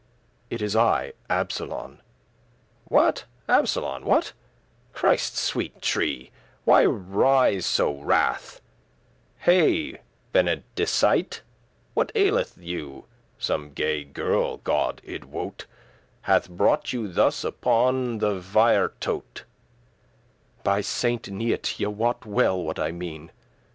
"It is I, Absolon." "What? Absolon, what? Christe's sweete tree*, *cross Why rise so rath*? hey! Benedicite, *early What aileth you? some gay girl,<37> God it wote, Hath brought you thus upon the viretote:<38> By Saint Neot, ye wot well what I mean."